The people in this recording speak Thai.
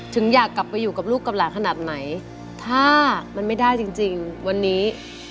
อยากกลับไปอยู่กับลูกกับหลานขนาดไหนถ้ามันไม่ได้จริงวันนี้